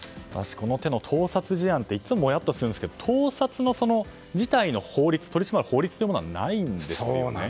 この手の盗撮事案っていつももやっとするんですけど盗撮を取り締まる法律というものはないんですよね。